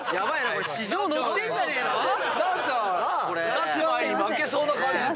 出す前に負けそうな感じ。